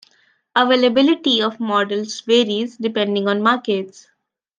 Availability of models varies depending on markets.